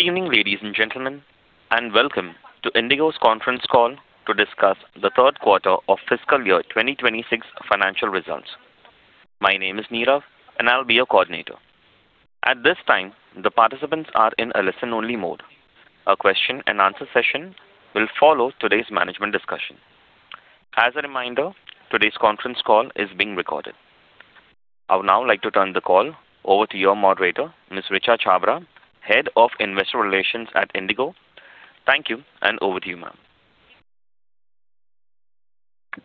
Good evening, ladies and gentlemen, and welcome to IndiGo's conference call to discuss the third quarter of fiscal year 2026 financial results. My name is Neerav, and I'll be your coordinator. At this time, the participants are in a listen-only mode. A question-and-answer session will follow today's management discussion. As a reminder, today's conference call is being recorded. I would now like to turn the call over to your moderator, Ms. Richa Chhabra, Head of Investor Relations at IndiGo. Thank you, and over to you, ma'am.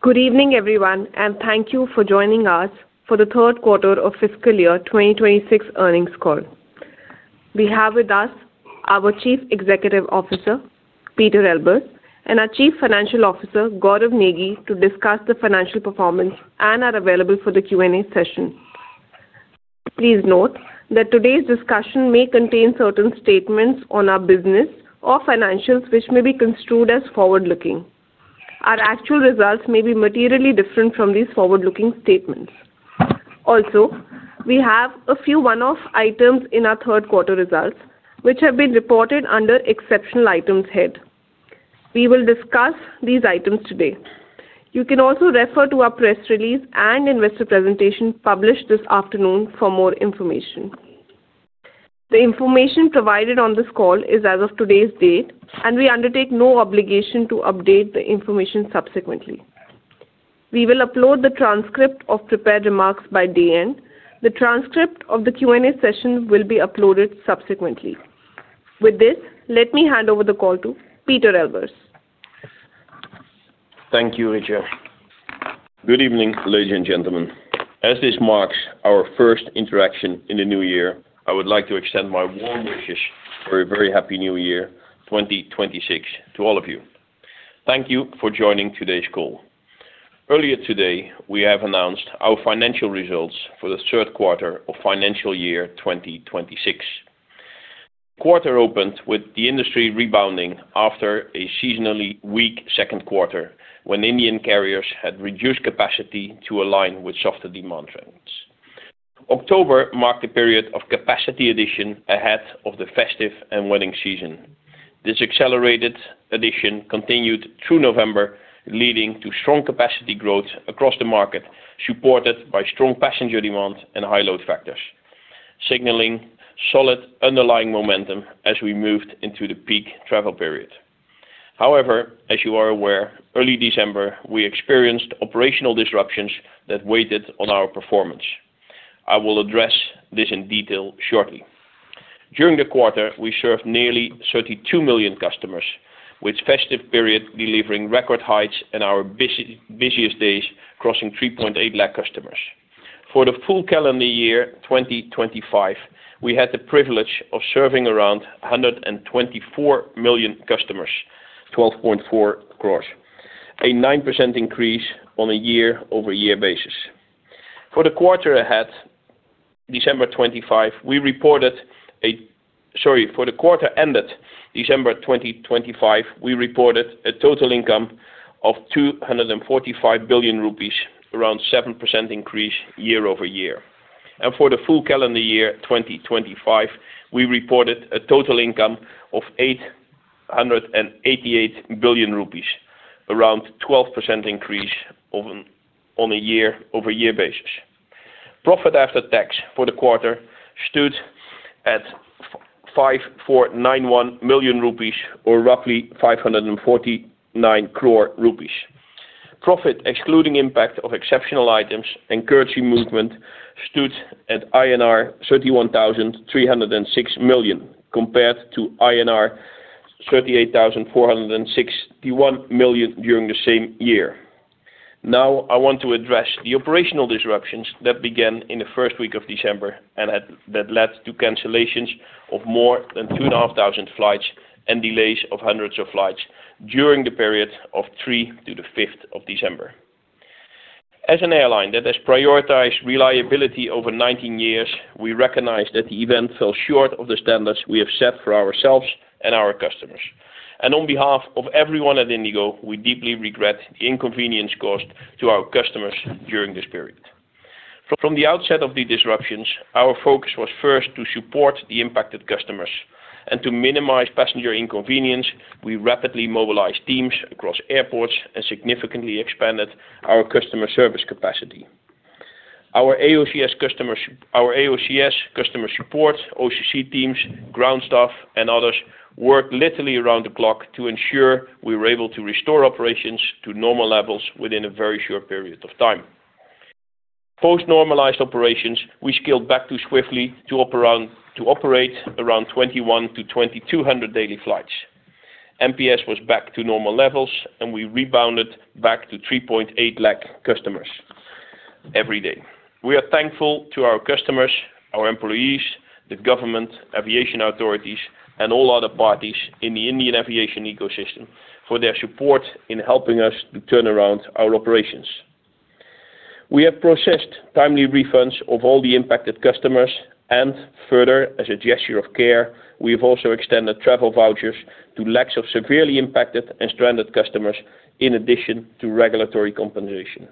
Good evening, everyone, and thank you for joining us for the third quarter of fiscal year 2026 earnings call. We have with us our Chief Executive Officer, Pieter Elbers, and our Chief Financial Officer, Gaurav Negi, to discuss the financial performance and are available for the Q&A session. Please note that today's discussion may contain certain statements on our business or financials, which may be construed as forward-looking. Our actual results may be materially different from these forward-looking statements. Also, we have a few one-off items in our third quarter results, which have been reported under Exceptional Items head. We will discuss these items today. You can also refer to our press release and investor presentation published this afternoon for more information. The information provided on this call is as of today's date, and we undertake no obligation to update the information subsequently. We will upload the transcript of prepared remarks by day end. The transcript of the Q&A session will be uploaded subsequently. With this, let me hand over the call to Pieter Elbers. Thank you, Richa. Good evening, ladies and gentlemen. As this marks our first interaction in the new year, I would like to extend my warm wishes for a very happy new year 2026 to all of you. Thank you for joining today's call. Earlier today, we have announced our financial results for the third quarter of financial year 2026. The quarter opened with the industry rebounding after a seasonally weak second quarter when Indian carriers had reduced capacity to align with softer demand trends. October marked a period of capacity addition ahead of the festive and wedding season. This accelerated addition continued through November, leading to strong capacity growth across the market, supported by strong passenger demand and high load factors, signaling solid underlying momentum as we moved into the peak travel period. However, as you are aware, early December, we experienced operational disruptions that weighed on our performance. I will address this in detail shortly. During the quarter, we served nearly 32 million customers, with festive period delivering record heights and our busiest days crossing 3.8 lakh customers. For the full calendar year 2025, we had the privilege of serving around 124 million customers, 12.4 crore, a 9% increase on a year-over-year basis. For the quarter ahead, December 2025, we reported—sorry, for the quarter ended December 2025, we reported a total income of 245 billion rupees, around 7% increase year-over-year. For the full calendar year 2025, we reported a total income of 888 billion rupees, around 12% increase on a year-over-year basis. Profit after tax for the quarter stood at 5,491 million rupees, or roughly 549 crore rupees. Profit excluding impact of exceptional items and currency movement stood at INR 31,306 million, compared to INR 38,461 million during the same year. Now, I want to address the operational disruptions that began in the first week of December and that led to cancellations of more than 2,500 flights and delays of hundreds of flights during the period of 3 to the 5th of December. As an airline that has prioritized reliability over 19 years, we recognize that the event fell short of the standards we have set for ourselves and our customers and on behalf of everyone at IndiGo, we deeply regret the inconvenience caused to our customers during this period. From the outset of the disruptions, our focus was first to support the impacted customers and to minimize passenger inconvenience, we rapidly mobilized teams across airports and significantly expanded our customer service capacity. Our AO&CS customer support, OCC teams, ground staff, and others worked literally around the clock to ensure we were able to restore operations to normal levels within a very short period of time. Post-normalized operations, we scaled back too swiftly to operate around 2,100-2,200 daily flights. NPS was back to normal levels, and we rebounded back to 3.8 lakh customers every day. We are thankful to our customers, our employees, the government, aviation authorities, and all other parties in the Indian aviation ecosystem for their support in helping us to turn around our operations. We have processed timely refunds of all the impacted customers, and further, as a gesture of care, we have also extended travel vouchers to lakhs of severely impacted and stranded customers in addition to regulatory compensation.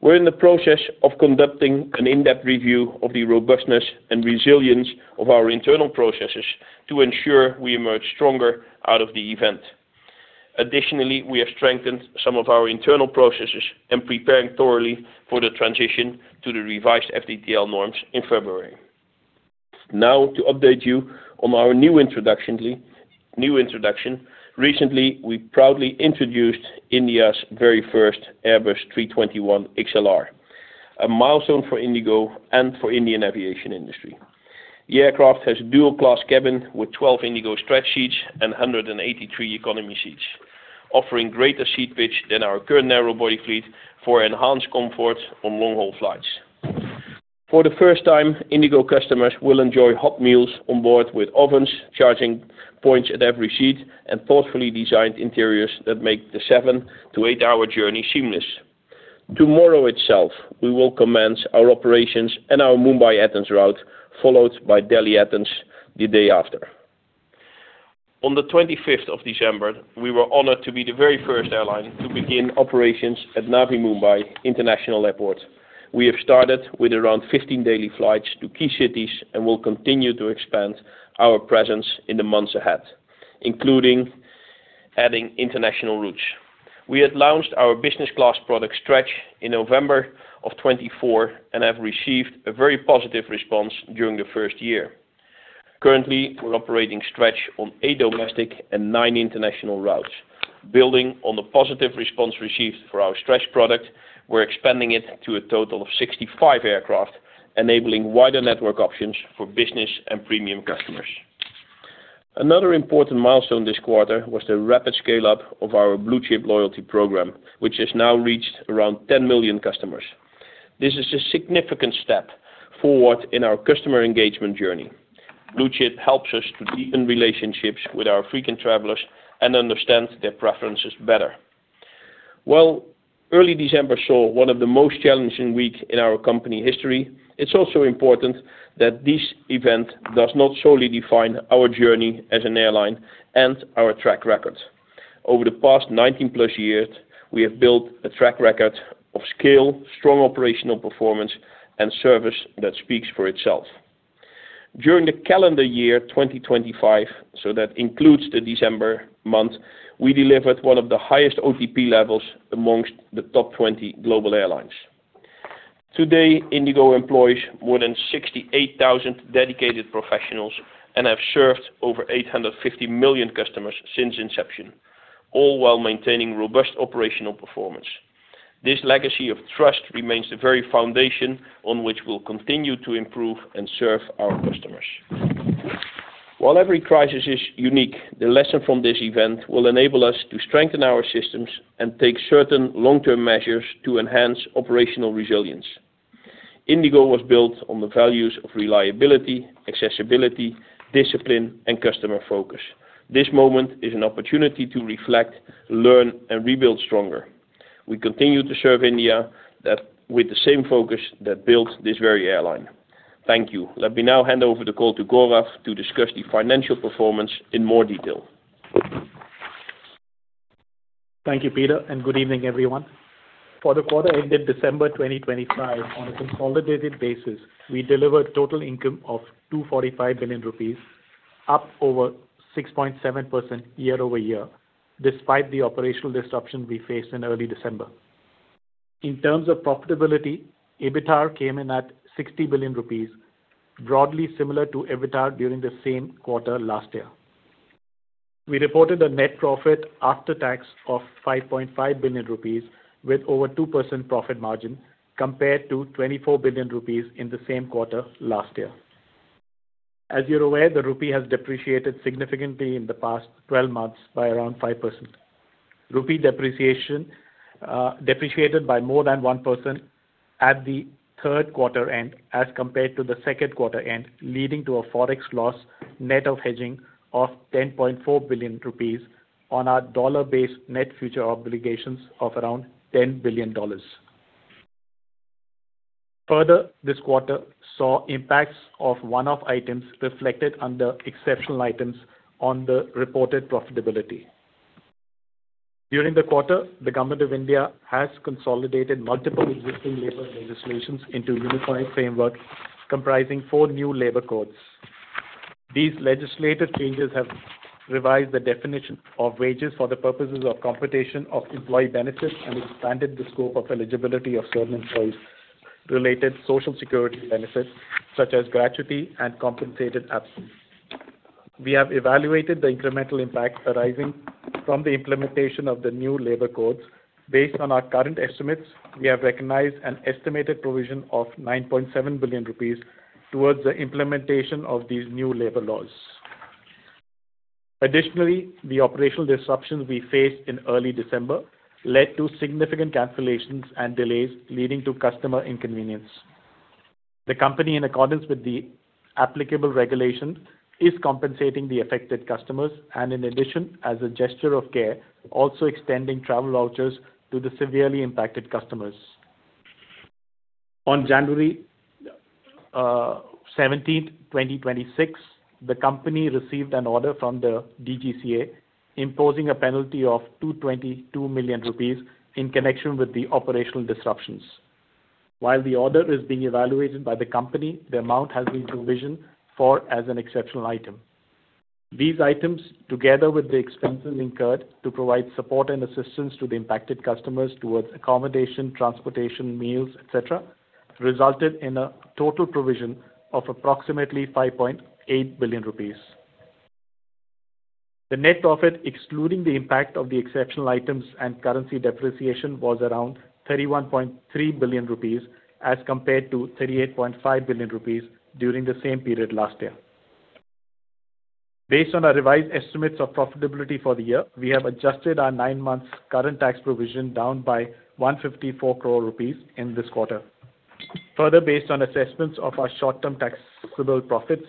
We're in the process of conducting an in-depth review of the robustness and resilience of our internal processes to ensure we emerge stronger out of the event. Additionally, we have strengthened some of our internal processes and prepared thoroughly for the transition to the revised FDTL norms in February. Now, to update you on our new introduction, recently, we proudly introduced India's very first Airbus A321XLR, a milestone for IndiGo and for the Indian aviation industry. The aircraft has a dual-class cabin with 12 IndiGo Stretch seats and 183 economy seats, offering greater seat pitch than our current narrow-body fleet for enhanced comfort on long-haul flights. For the first time, IndiGo customers will enjoy hot meals on board with ovens, charging points at every seat, and thoughtfully designed interiors that make the seven to eight-hour journey seamless. Tomorrow itself, we will commence our operations and our Mumbai-Athens route, followed by Delhi-Athens the day after. On the 25th of December, we were honored to be the very first airline to begin operations at Navi Mumbai International Airport. We have started with around 15 daily flights to key cities and will continue to expand our presence in the months ahead, including adding international routes. We had launched our business-class product Stretch in November of 2024 and have received a very positive response during the first year. Currently, we're operating Stretch on eight domestic and nine international routes. Building on the positive response received for our Stretch product, we're expanding it to a total of 65 aircraft, enabling wider network options for business and premium customers. Another important milestone this quarter was the rapid scale-up of our BluChip loyalty program, which has now reached around 10 million customers. This is a significant step forward in our customer engagement journey. BluChip helps us to deepen relationships with our frequent travelers and understand their preferences better. While early December saw one of the most challenging weeks in our company history, it's also important that this event does not solely define our journey as an airline and our track record. Over the past 19-plus years, we have built a track record of skill, strong operational performance, and service that speaks for itself. During the calendar year 2025, so that includes the December month, we delivered one of the highest OTP levels amongst the top 20 global airlines. Today, IndiGo employs more than 68,000 dedicated professionals and has served over 850 million customers since inception, all while maintaining robust operational performance. This legacy of trust remains the very foundation on which we'll continue to improve and serve our customers. While every crisis is unique, the lesson from this event will enable us to strengthen our systems and take certain long-term measures to enhance operational resilience. IndiGo was built on the values of reliability, accessibility, discipline, and customer focus. This moment is an opportunity to reflect, learn, and rebuild stronger. We continue to serve India with the same focus that built this very airline. Thank you. Let me now hand over the call to Gaurav to discuss the financial performance in more detail. Thank you, Pieter, and good evening, everyone. For the quarter ended December 2025, on a consolidated basis, we delivered total income of 245 billion rupees, up over 6.7% year-over-year, despite the operational disruption we faced in early December. In terms of profitability, EBITDAR came in at 60 billion rupees, broadly similar to EBITDAR during the same quarter last year. We reported a net profit after tax of 5.5 billion rupees, with over 2% profit margin compared to 24 billion rupees in the same quarter last year. As you're aware, the rupee has depreciated significantly in the past 12 months by around 5%. Rupee depreciation by more than 1% at the third quarter end as compared to the second quarter end, leading to a forex loss net of hedging of 10.4 billion rupees on our dollar-based net future obligations of around $10 billion. Further, this quarter saw impacts of one-off items reflected under exceptional items on the reported profitability. During the quarter, the Government of India has consolidated multiple existing labor legislations into a unified framework comprising four new labor codes. These legislative changes have revised the definition of wages for the purposes of computation of employee benefits and expanded the scope of eligibility of certain employee-related social security benefits such as gratuity and compensated absence. We have evaluated the incremental impact arising from the implementation of the new labor codes. Based on our current estimates, we have recognized an estimated provision of 9.7 billion rupees towards the implementation of these new labor laws. Additionally, the operational disruptions we faced in early December led to significant cancellations and delays leading to customer inconvenience. The company, in accordance with the applicable regulation, is compensating the affected customers and, in addition, as a gesture of care, also extending travel vouchers to the severely impacted customers. On January 17th, 2026, the company received an order from the DGCA imposing a penalty of 222 million rupees in connection with the operational disruptions. While the order is being evaluated by the company, the amount has been provisioned for as an exceptional item. These items, together with the expenses incurred to provide support and assistance to the impacted customers towards accommodation, transportation, meals, etc., resulted in a total provision of approximately 5.8 billion rupees. The net profit, excluding the impact of the exceptional items and currency depreciation, was around 31.3 billion rupees as compared to 38.5 billion rupees during the same period last year. Based on our revised estimates of profitability for the year, we have adjusted our nine-month current tax provision down by 154 crore rupees in this quarter. Further, based on assessments of our short-term taxable profits,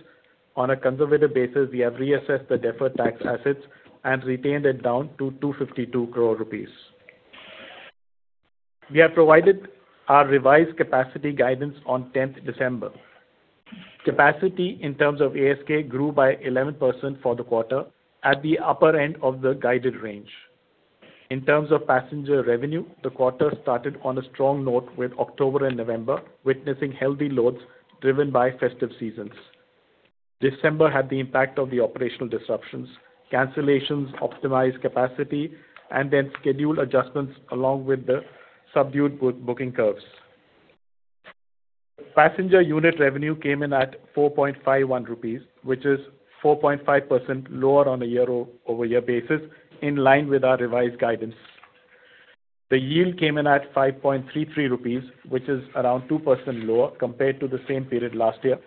on a conservative basis, we have reassessed the deferred tax assets and retained it down to 252 crore rupees. We have provided our revised capacity guidance on 10th December. Capacity, in terms of ASK, grew by 11% for the quarter at the upper end of the guided range. In terms of passenger revenue, the quarter started on a strong note with October and November, witnessing healthy loads driven by festive seasons. December had the impact of the operational disruptions, cancellations, optimized capacity, and then schedule adjustments along with the subdued booking curves. Passenger unit revenue came in at 4.51 rupees, which is 4.5% lower on a year-over-year basis, in line with our revised guidance. The yield came in at 5.33 rupees, which is around 2% lower compared to the same period last year,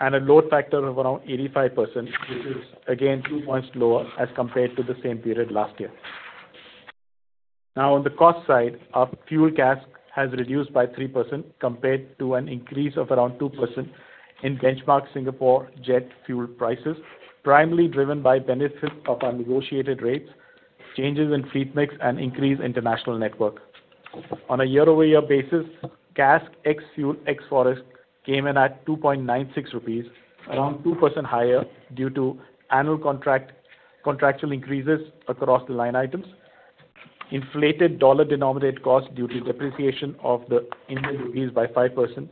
and a load factor of around 85%, which is again 2 points lower as compared to the same period last year. Now, on the cost side, our fuel costs has reduced by 3% compared to an increase of around 2% in benchmark Singapore jet fuel prices, primarily driven by benefits of our negotiated rates, changes in fleet mix, and increased international network. On a year-over-year basis, CASK ex-fuel ex-forex came in at 2.96 rupees, around 2% higher due to annual contractual increases across the line items, inflated dollar-denominated costs due to depreciation of the Indian rupee by 5%,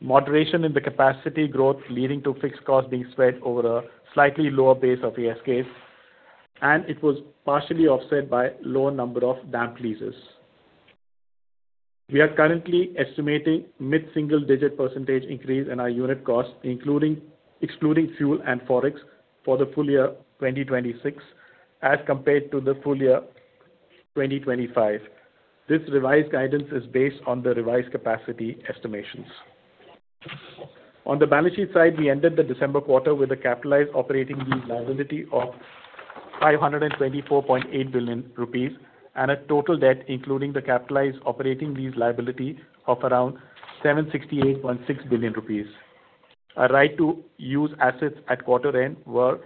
moderation in the capacity growth leading to fixed costs being spread over a slightly lower base of ASKs, and it was partially offset by a lower number of damp leases. We are currently estimating mid-single-digit percentage increase in our unit cost, excluding fuel and forex, for the full year 2026 as compared to the full year 2025. This revised guidance is based on the revised capacity estimations. On the balance sheet side, we ended the December quarter with a capitalized operating lease liability of 524.8 billion rupees and a total debt, including the capitalized operating lease liability, of around 768.6 billion rupees. Our right-of-use assets at quarter end was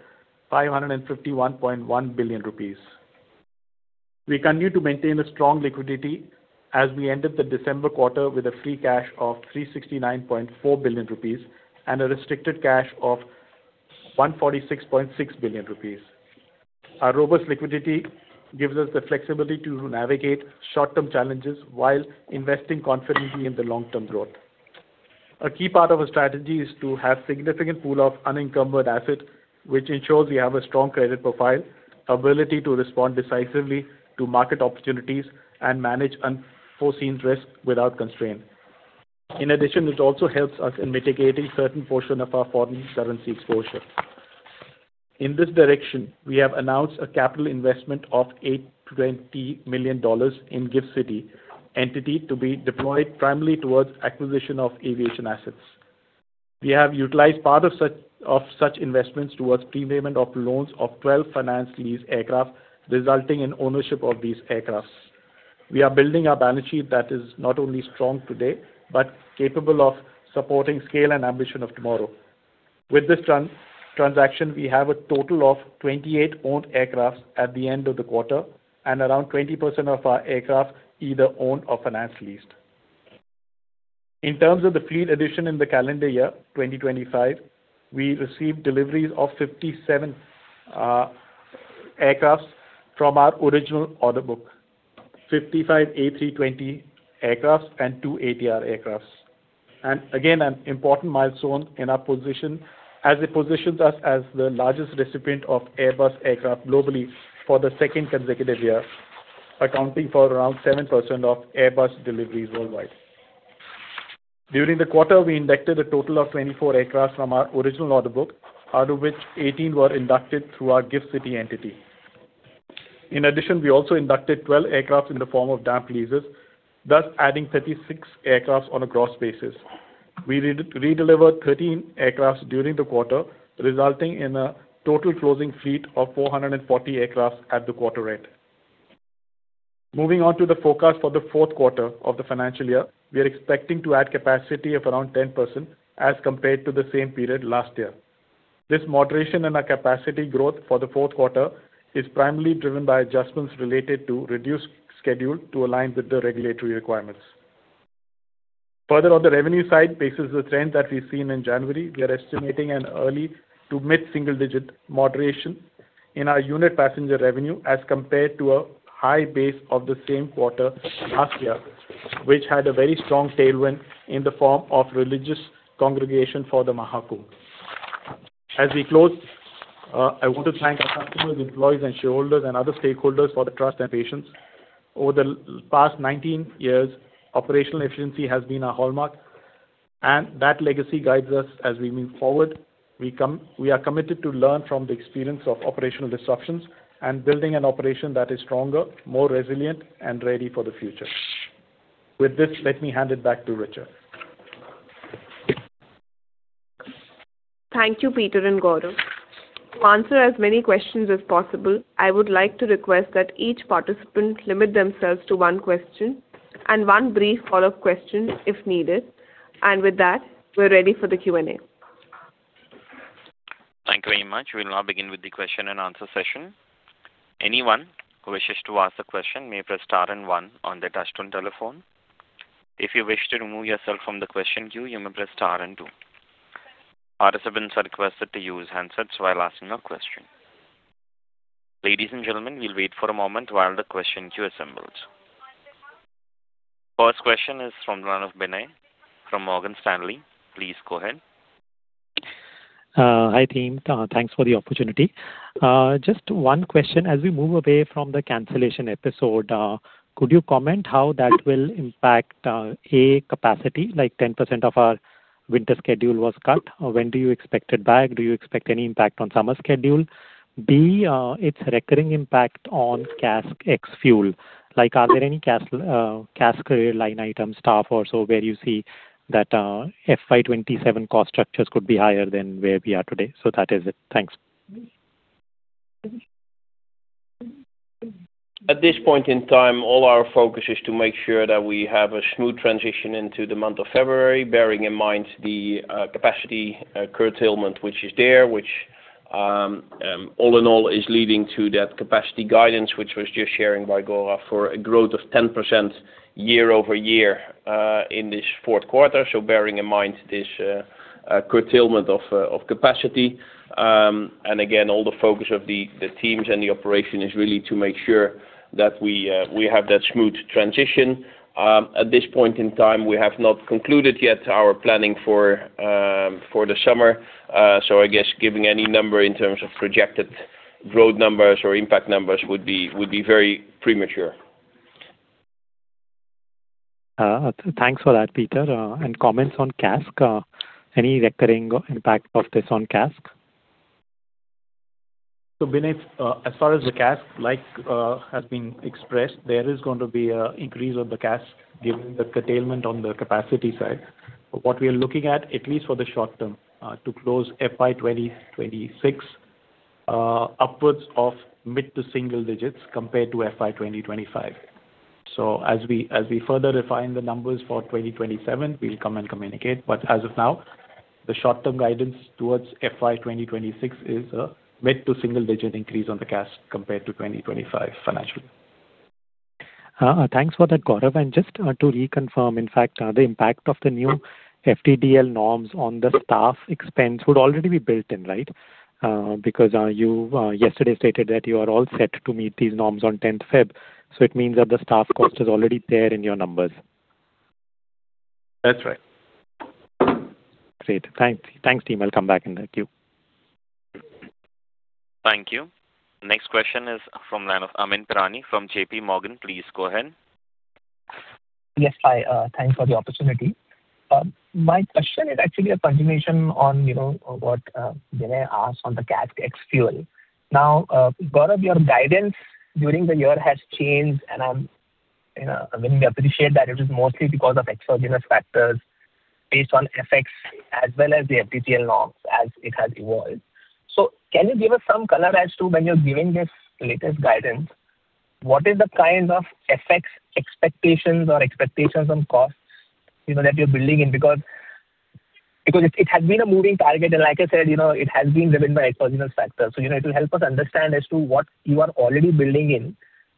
551.1 billion rupees. We continue to maintain a strong liquidity as we ended the December quarter with a free cash of 369.4 billion rupees and a restricted cash of 146.6 billion rupees. Our robust liquidity gives us the flexibility to navigate short-term challenges while investing confidently in the long-term growth. A key part of our strategy is to have a significant pool of unencumbered assets, which ensures we have a strong credit profile, ability to respond decisively to market opportunities, and manage unforeseen risks without constraint. In addition, it also helps us in mitigating a certain portion of our foreign currency exposure. In this direction, we have announced a capital investment of $820 million in GIFT City entity to be deployed primarily towards acquisition of aviation assets. We have utilized part of such investments towards prepayment of loans of 12 financed lease aircraft, resulting in ownership of these aircraft. We are building our balance sheet that is not only strong today but capable of supporting the scale and ambition of tomorrow. With this transaction, we have a total of 28 owned aircraft at the end of the quarter and around 20% of our aircraft either owned or financed leased. In terms of the fleet addition in the calendar year 2025, we received deliveries of 57 aircrafts from our original order book, 55 A320 aircrafts and two ATR aircrafts, and again, an important milestone in our position as it positions us as the largest recipient of Airbus aircraft globally for the second consecutive year, accounting for around 7% of Airbus deliveries worldwide. During the quarter, we inducted a total of 24 aircrafts from our original order book, out of which 18 were inducted through our GIFT City entity. In addition, we also inducted 12 aircrafts in the form of damp leases, thus adding 36 aircrafts on a gross basis. We redelivered 13 aircrafts during the quarter, resulting in a total closing fleet of 440 aircrafts at the quarter end. Moving on to the forecast for the fourth quarter of the financial year, we are expecting to add capacity of around 10% as compared to the same period last year. This moderation in our capacity growth for the fourth quarter is primarily driven by adjustments related to reduced schedule to align with the regulatory requirements. Further, on the revenue side, we face the trend that we've seen in January. We are estimating an early to mid-single-digit moderation in our unit passenger revenue as compared to a high base of the same quarter last year, which had a very strong tailwind in the form of religious congregation for the Maha Kumbh. As we close, I want to thank our customers, employees, shareholders, and other stakeholders for the trust and patience. Over the past 19 years, operational efficiency has been our hallmark, and that legacy guides us as we move forward. We are committed to learn from the experience of operational disruptions and building an operation that is stronger, more resilient, and ready for the future. With this, let me hand it back to Richa. Thank you, Pieter and Gaurav. To answer as many questions as possible, I would like to request that each participant limit themselves to one question and one brief follow-up question if needed, and with that, we're ready for the Q&A. Thank you very much. We'll now begin with the question-and-answer session. Anyone who wishes to ask a question may press star and one on the touch-tone telephone. If you wish to remove yourself from the question queue, you may press star and two. Participants are requested to use handsets while asking a question. Ladies and gentlemen, we'll wait for a moment while the question queue assembles. First question is from the line of Binay from Morgan Stanley. Please go ahead. Hi team. Thanks for the opportunity. Just one question. As we move away from the cancellation episode, could you comment on how that will impact A, capacity, like 10% of our winter schedule was cut? When do you expect it back? Do you expect any impact on summer schedule? B, its recurring impact on CASK ex-fuel. Are there any cascading line items, staff, or so where you see that FY 2027 cost structures could be higher than where we are today? So that is it. Thanks. At this point in time, all our focus is to make sure that we have a smooth transition into the month of February, bearing in mind the capacity curtailment which is there, which all in all is leading to that capacity guidance which was just shared by Gaurav for a growth of 10% year-over-year in this fourth quarter. So bearing in mind this curtailment of capacity. And again, all the focus of the teams and the operation is really to make sure that we have that smooth transition. At this point in time, we have not concluded yet our planning for the summer. So I guess giving any number in terms of projected growth numbers or impact numbers would be very premature. Thanks for that, Pieter. And comments on CASK? Any recurring impact of this on CASK? So Binay, as far as the CASK has been expressed, there is going to be an increase of the CASK given the curtailment on the capacity side. What we are looking at, at least for the short term, to close FY 2026 upwards of mid to single-digit compared to FY 2025. So as we further refine the numbers for 2027, we'll come and communicate. But as of now, the short-term guidance towards FY 2026 is a mid to single-digit increase on the CASK compared to 2025 financial year. Thanks for that, Gaurav. And just to reconfirm, in fact, the impact of the new FDTL norms on the staff expense would already be built in, right? Because you yesterday stated that you are all set to meet these norms on 10th February. So it means that the staff cost is already there in your numbers. That's right. Great. Thanks. Thanks, team. I'll come back in the queue. Thank you. Next question is from Amyn Pirani from JPMorgan. Please go ahead. Yes, hi. Thanks for the opportunity. My question is actually a continuation on what Binay asked on the CASK ex-fuel. Now, Gaurav, your guidance during the year has changed, and we appreciate that it is mostly because of exogenous factors based on FX as well as the FDTL norms as it has evolved. So can you give us some color as to when you're giving this latest guidance, what is the kind of FX expectations or expectations on costs that you're building in? Because it has been a moving target, and like I said, it has been driven by exogenous factors. So it will help us understand as to what you are already building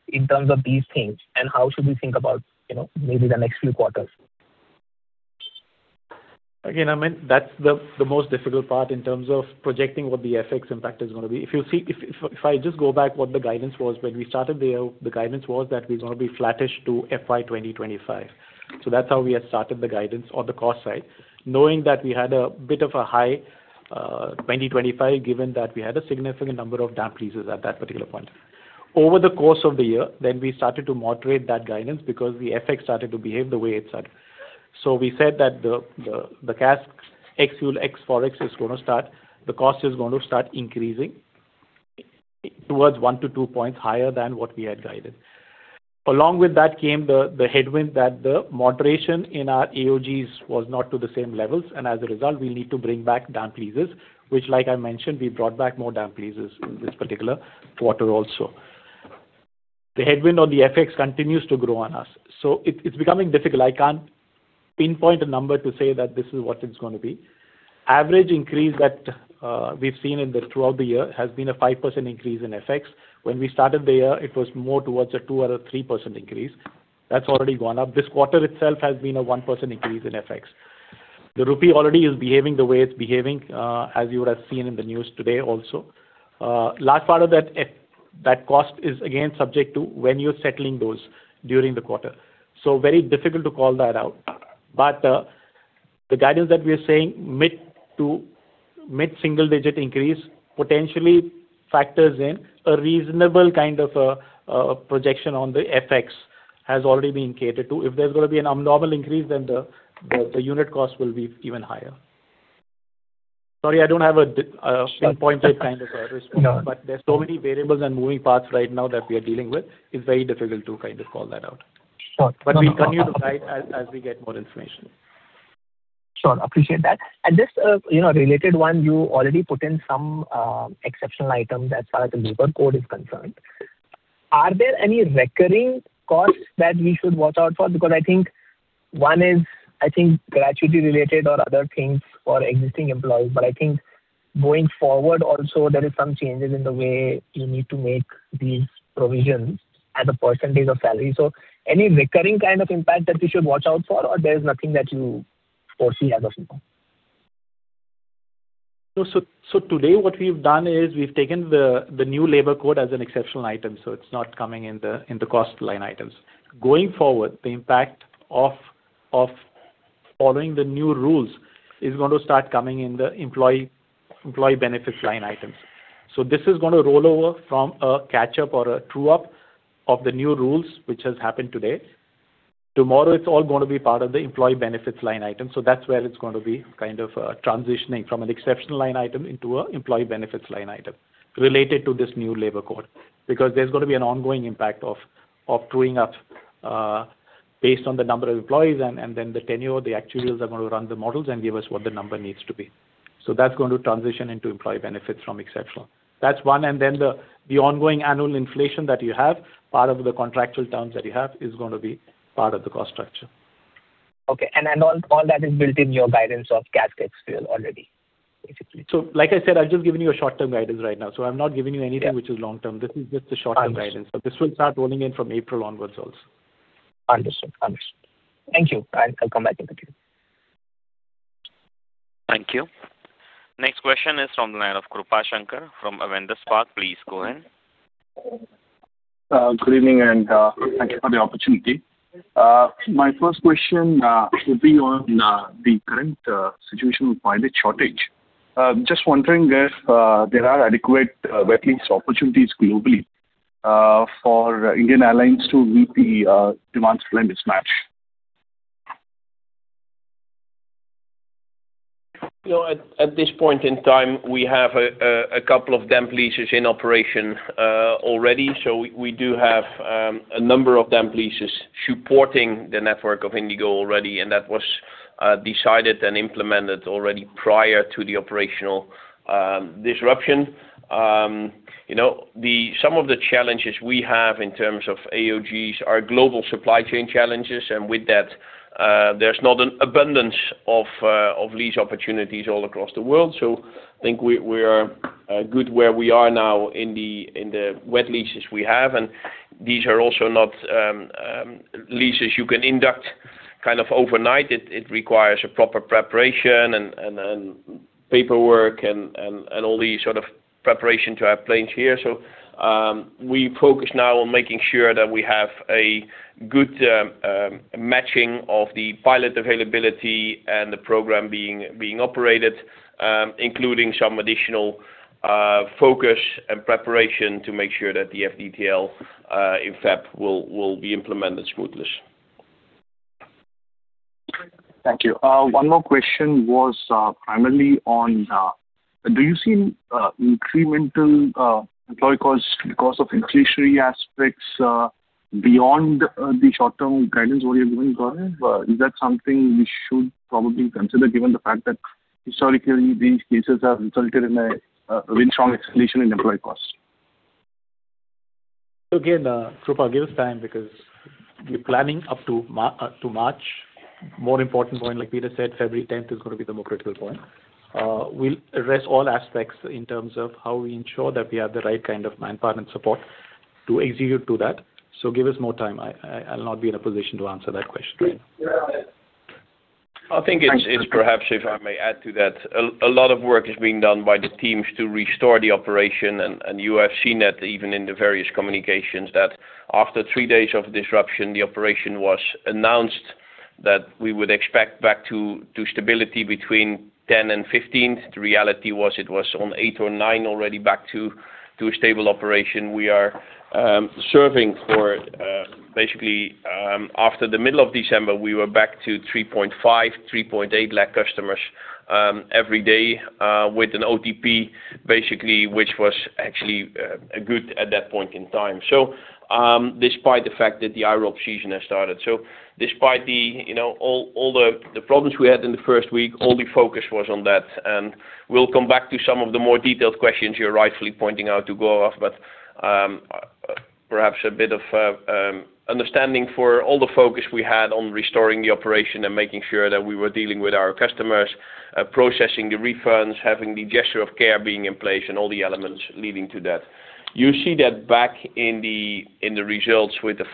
in terms of these things and how should we think about maybe the next few quarters. Again, Amit, that's the most difficult part in terms of projecting what the FX impact is going to be. If I just go back to what the guidance was when we started the year, the guidance was that we're going to be flattish to FY 2025. So that's how we had started the guidance on the cost side, knowing that we had a bit of a high 2025 given that we had a significant number of damp leases at that particular point. Over the course of the year, then we started to moderate that guidance because the FX started to behave the way it started. So we said that the CASK ex-fuel ex-forex is going to start. The cost is going to start increasing towards 1-2 points higher than what we had guided. Along with that came the headwind that the moderation in our AOGs was not to the same levels, and as a result, we need to bring back damp leases, which, like I mentioned, we brought back more damp leases in this particular quarter also. The headwind on the FX continues to grow on us, so it's becoming difficult. I can't pinpoint a number to say that this is what it's going to be. Average increase that we've seen throughout the year has been a 5% increase in FX. When we started the year, it was more towards a 2% or a 3% increase. That's already gone up. This quarter itself has been a 1% increase in FX. The rupee already is behaving the way it's behaving, as you would have seen in the news today also. Last part of that cost is, again, subject to when you're settling those during the quarter. So very difficult to call that out. But the guidance that we are saying, mid- to mid-single-digit increase, potentially factors in a reasonable kind of projection on the FX has already been catered to. If there's going to be an abnormal increase, then the unit cost will be even higher. Sorry, I don't have a pinpointed kind of response, but there's so many variables and moving parts right now that we are dealing with. It's very difficult to kind of call that out. Sure. But we'll continue to guide as we get more information. Sure. Appreciate that. And this related one, you already put in some exceptional items as far as the labor code is concerned. Are there any recurring costs that we should watch out for? Because I think one is, I think, gratuity-related or other things for existing employees. But I think going forward also, there are some changes in the way you need to make these provisions as a percentage of salary. So any recurring kind of impact that we should watch out for, or there's nothing that you foresee as of now? Today, what we've done is we've taken the new labor code as an exceptional item. It's not coming in the cost line items. Going forward, the impact of following the new rules is going to start coming in the employee benefits line items. This is going to roll over from a catch-up or a true-up of the new rules, which has happened today. Tomorrow, it's all going to be part of the employee benefits line item. That's where it's going to be kind of transitioning from an exceptional line item into an employee benefits line item related to this new labor code. Because there's going to be an ongoing impact of trueing up based on the number of employees, and then the tenure, the actuarials are going to run the models and give us what the number needs to be. So that's going to transition into employee benefits from exceptional. That's one. And then the ongoing annual inflation that you have, part of the contractual terms that you have, is going to be part of the cost structure. Okay. And all that is built in your guidance of CASK ex-fuel already, basically. So like I said, I've just given you a short-term guidance right now. So I'm not giving you anything which is long-term. This is just the short-term guidance. But this will start rolling in from April onwards also. Understood. Understood. Thank you. I'll come back in the queue. Thank you. Next question is from Krupashankar from Avendus Spark. Please go ahead. Good evening, and thank you for the opportunity. My first question would be on the current situation of pilot shortage. Just wondering if there are adequate wet lease opportunities globally for Indian Airlines to meet the demand-supply mismatch. At this point in time, we have a couple of damp leases in operation already. So we do have a number of damp leases supporting the network of IndiGo already, and that was decided and implemented already prior to the operational disruption. Some of the challenges we have in terms of AOGs are global supply chain challenges, and with that, there's not an abundance of lease opportunities all across the world, so I think we are good where we are now in the wet leases we have, and these are also not leases you can induct kind of overnight. It requires proper preparation and paperwork and all the sort of preparation to have planes here. We focus now on making sure that we have a good matching of the pilot availability and the program being operated, including some additional focus and preparation to make sure that the FDTL in February will be implemented smoothly. Thank you. One more question was primarily on, do you see incremental employee costs because of inflationary aspects beyond the short-term guidance what you're giving, Gaurav? Is that something we should probably consider given the fact that historically these cases have resulted in a widespread escalation in employee costs? So again, Krupa, give us time because we're planning up to March. More important point, like Pieter said, February 10th is going to be the more critical point. We'll address all aspects in terms of how we ensure that we have the right kind of manpower and support to execute to that. So give us more time. I'll not be in a position to answer that question. I think it's perhaps, if I may add to that, a lot of work is being done by the teams to restore the operation, and you have seen that even in the various communications that after three days of disruption, the operation was announced that we would expect back to stability between 10 and 15. The reality was it was on 8 or 9 already back to a stable operation. We are serving for basically after the middle of December, we were back to 3.5, 3.8 lakh customers every day with an OTP basically, which was actually good at that point in time. So despite the fact that the IROP season has started, so despite all the problems we had in the first week, all the focus was on that. We'll come back to some of the more detailed questions you're rightfully pointing out to Gaurav, but perhaps a bit of understanding for all the focus we had on restoring the operation and making sure that we were dealing with our customers, processing the refunds, having the gesture of care being in place, and all the elements leading to that. You see that back in the results with the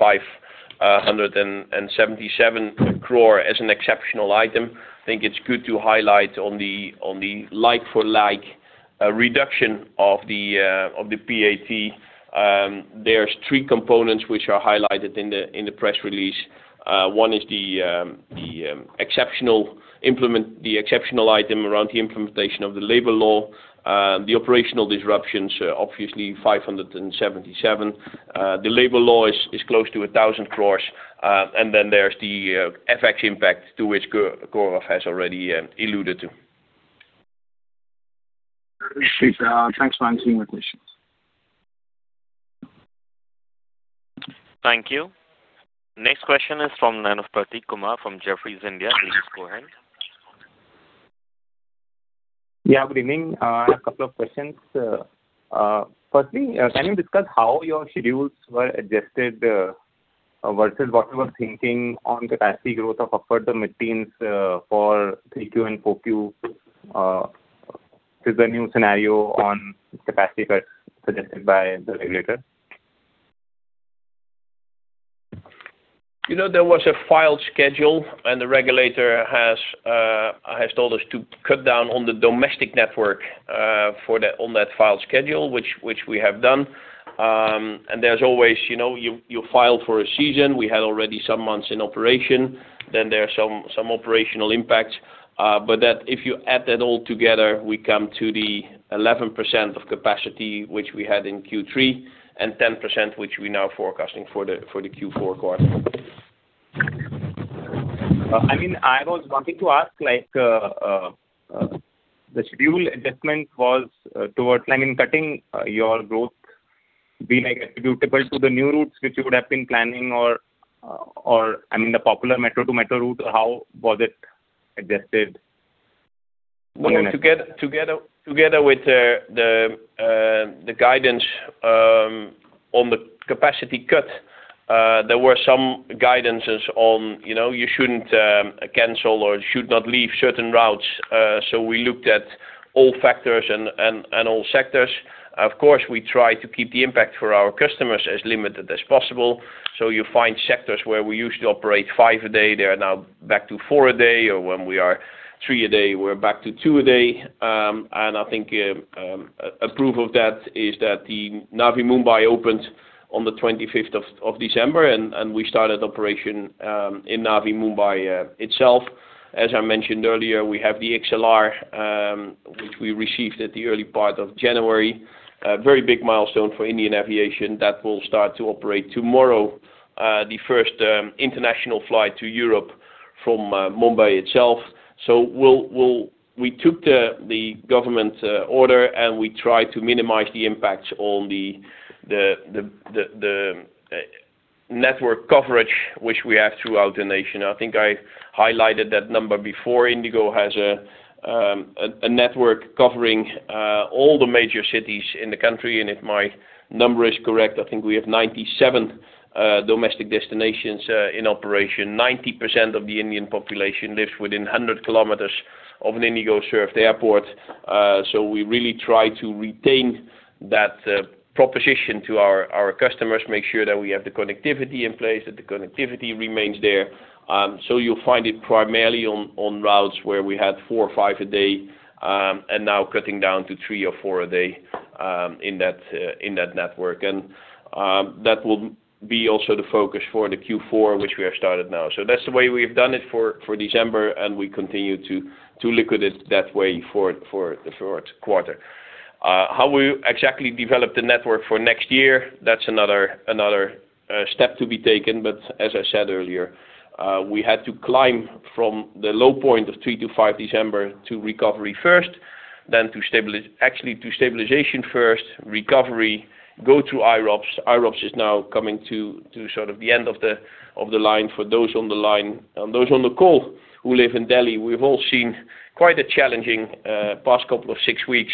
577 crore as an exceptional item. I think it's good to highlight on the like-for-like reduction of the PAT. There's three components which are highlighted in the press release. One is the exceptional item around the implementation of the labor law. The operational disruptions, obviously 577. The labor law is close to 1,000 crores. And then there's the FX impact to which Gaurav has already alluded to. Thanks for answering my questions. Thank you. Next question is from Prateek Kumar from Jefferies India. Please go ahead. Yeah, good evening. I have a couple of questions. Firstly, can you discuss how your schedules were adjusted versus what you were thinking on capacity growth offered to mid-teens for 3Q and 4Q with the new scenario on capacity cuts suggested by the regulator? There was a filed schedule, and the regulator has told us to cut down on the domestic network on that filed schedule, which we have done, and there's always you file for a season. We had already some months in operation. Then there's some operational impacts. But if you add that all together, we come to the 11% of capacity which we had in Q3 and 10% which we're now forecasting for the Q4 quarter. I mean, I was wanting to ask, the schedule adjustment was towards cutting your growth being attributable to the new routes which you would have been planning or, I mean, the popular metro to metro route? How was it adjusted? Together with the guidance on the capacity cut, there were some guidances on you shouldn't cancel or should not leave certain routes. We looked at all factors and all sectors. Of course, we tried to keep the impact for our customers as limited as possible. You find sectors where we used to operate five a day; they're now back to four a day, or when we are three a day, we're back to two a day. I think a proof of that is that the Navi Mumbai opened on the 25th of December, and we started operation in Navi Mumbai itself. As I mentioned earlier, we have the XLR, which we received at the early part of January. Very big milestone for Indian aviation that will start to operate tomorrow, the first international flight to Europe from Mumbai itself. So we took the government order, and we tried to minimize the impacts on the network coverage which we have throughout the nation. I think I highlighted that number before. IndiGo has a network covering all the major cities in the country. And if my number is correct, I think we have 97 domestic destinations in operation. 90% of the Indian population lives within 100 km of an IndiGo served airport. So we really try to retain that proposition to our customers, make sure that we have the connectivity in place, that the connectivity remains there. So you'll find it primarily on routes where we had four or five a day and now cutting down to three or four a day in that network. And that will be also the focus for the Q4, which we have started now. So that's the way we have done it for December, and we continue to liquidate that way for the fourth quarter. How we exactly develop the network for next year, that's another step to be taken. But as I said earlier, we had to climb from the low point of three to five December to recovery first, then actually to stabilization first, recovery, go through IROPS. IROPS is now coming to sort of the end of the line for those on the line. And those on the call who live in Delhi, we've all seen quite a challenging past couple of six weeks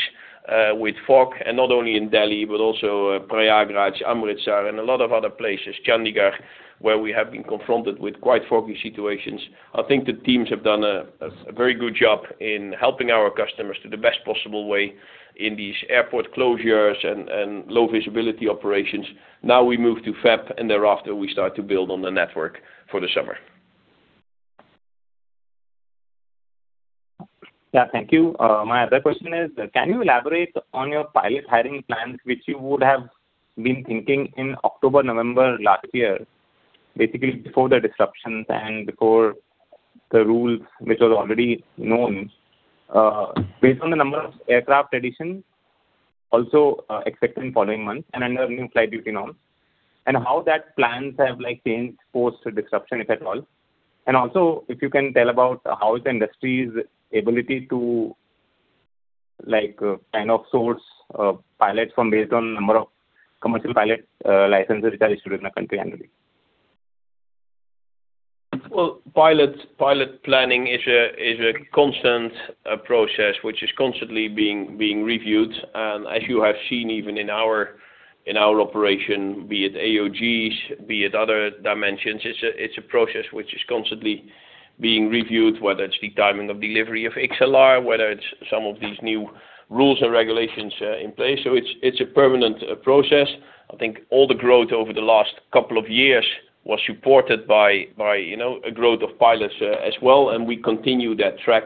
with fog. And not only in Delhi, but also Prayagraj, Amritsar, and a lot of other places, Chandigarh, where we have been confronted with quite foggy situations. I think the teams have done a very good job in helping our customers to the best possible way in these airport closures and low visibility operations. Now we move to February, and thereafter we start to build on the network for the summer. Yeah, thank you. My other question is, can you elaborate on your pilot hiring plans which you would have been thinking in October, November last year, basically before the disruptions and before the rules which were already known, based on the number of aircraft additions, also expected in the following months and under new flight duty norms? And how that plans have changed post-disruption, if at all? And also, if you can tell about how is the industry's ability to kind of source pilots based on the number of commercial pilot licenses which are issued in the country annually? Well, pilot planning is a constant process which is constantly being reviewed, and as you have seen even in our operation, be it AOGs, be it other dimensions, it's a process which is constantly being reviewed, whether it's the timing of delivery of XLR, whether it's some of these new rules and regulations in place, so it's a permanent process. I think all the growth over the last couple of years was supported by a growth of pilots as well, and we continue that track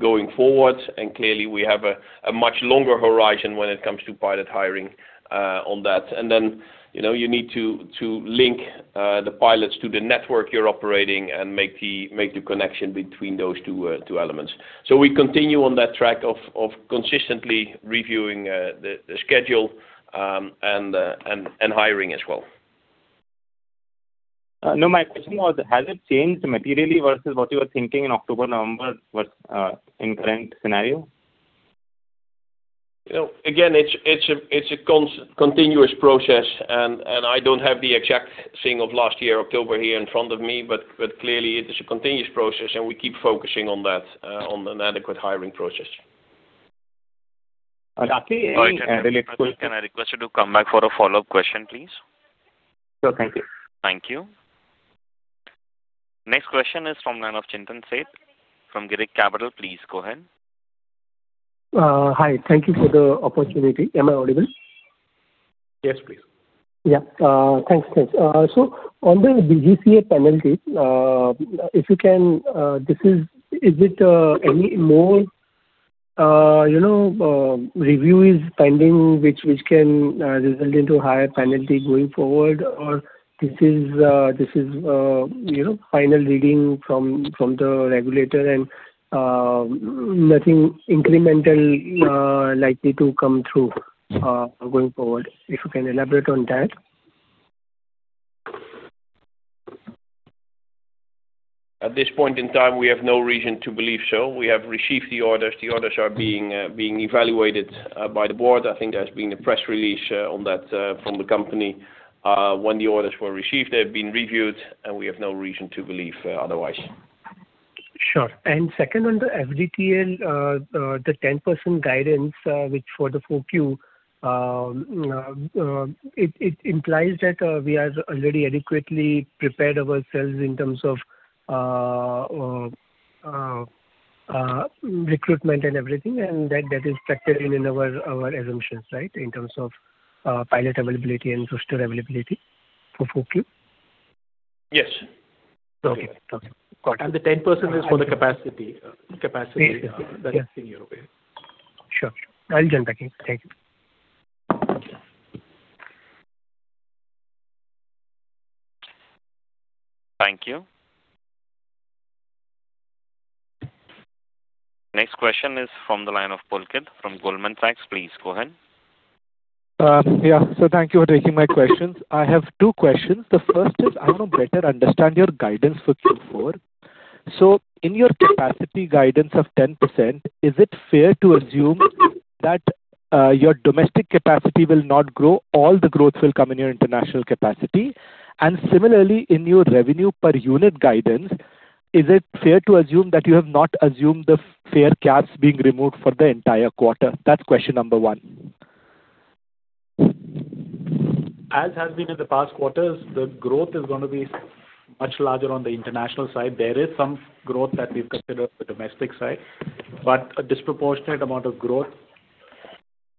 going forward, and clearly, we have a much longer horizon when it comes to pilot hiring on that, and then you need to link the pilots to the network you're operating and make the connection between those two elements, so we continue on that track of consistently reviewing the schedule and hiring as well. No, my question was, has it changed materially versus what you were thinking in October, November versus in current scenario? Again, it's a continuous process, and I don't have the exact thing of last year, October here in front of me, but clearly, it is a continuous process, and we keep focusing on that, on an adequate hiring process. Can I request you to come back for a follow-up question, please? Sure, thank you. Thank you. Next question is from Chintan Sheth from Girik Capital. Please go ahead. Hi, thank you for the opportunity. Am I audible? Yes, please. Yeah. Thanks, thanks. So on the DGCA penalty, if you can, is it any more review is pending which can result into higher penalty going forward, or this is final reading from the regulator and nothing incremental likely to come through going forward? If you can elaborate on that. At this point in time, we have no reason to believe so. We have received the orders. The orders are being evaluated by the Board. I think there's been a press release on that from the company. When the orders were received, they have been reviewed, and we have no reason to believe otherwise. Sure, and second on the FDTL, the 10% guidance for the 4Q, it implies that we are already adequately prepared ourselves in terms of recruitment and everything, and that is factored in our assumptions, right, in terms of pilot availability and roster availability for 4Q? Yes. Okay. Got it. And the 10% is for the capacity that is in your way. Yes. Sure. I'll jump back in. Thank you. Thank you. Next question is from the line of Pulkit from Goldman Sachs. Please go ahead. Yeah. So thank you for taking my questions. I have two questions. The first is, I want to better understand your guidance for Q4. So in your capacity guidance of 10%, is it fair to assume that your domestic capacity will not grow? All the growth will come in your international capacity. And similarly, in your revenue per unit guidance, is it fair to assume that you have not assumed the fare caps being removed for the entire quarter? That's question number one. As has been in the past quarters, the growth is going to be much larger on the international side. There is some growth that we've considered on the domestic side, but a disproportionate amount of growth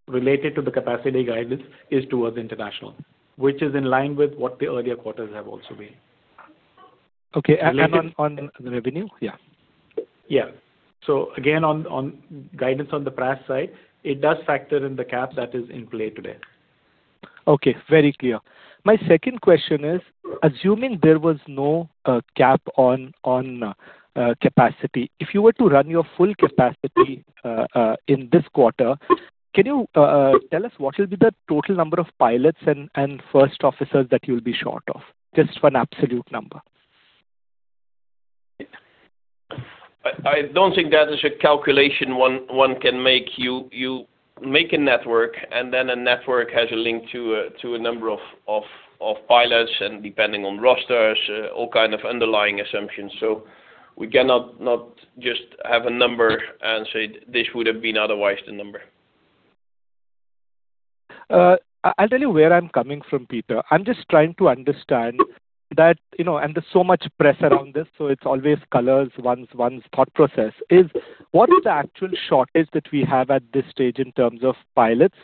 related to the capacity guidance is towards international, which is in line with what the earlier quarters have also been. Okay. And on revenue? Yeah. So again, on guidance on the price side, it does factor in the cap that is in play today. Okay. Very clear. My second question is, assuming there was no cap on capacity, if you were to run your full capacity in this quarter, can you tell us what will be the total number of pilots and first officers that you'll be short of, just for an absolute number? I don't think that is a calculation one can make. You make a network, and then a network has a link to a number of pilots and depending on rosters, all kinds of underlying assumptions. So we cannot just have a number and say, this would have been otherwise the number. I'll tell you where I'm coming from, Pieter. I'm just trying to understand that, and there's so much press around this, so it's always colors one's thought process, is what is the actual shortage that we have at this stage in terms of pilots